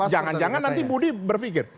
jangan jangan nanti budi berpikir